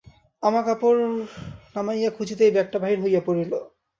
আমাকাপড় নামাইয়া খুঁজিতেই ব্যাগটা বহির হইয়া পড়িল।